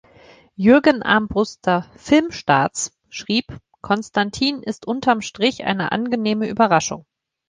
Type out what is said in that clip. Jürgen Armbruster „Filmstarts“ schrieb: "„‚Constantine‘ ist unterm Strich eine angenehme Überraschung.